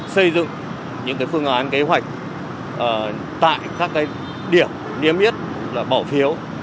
xây dựng những phương án kế hoạch tại các điểm niêm yết bỏ phiếu